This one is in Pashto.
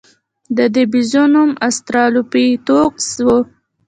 د دې بیزو نوم اوسترالوپیتکوس و.